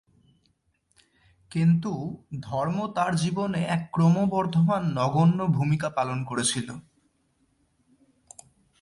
কিন্তু, ধর্ম তার জীবনে এক ক্রমবর্ধমান নগণ্য ভূমিকা পালন করেছিল।